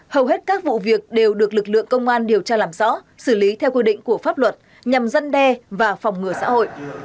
hầu hết các vụ việc đều được lực lượng công an điều tra làm rõ xử lý theo quy định của pháp luật nhằm dân đe và phòng ngừa xã hội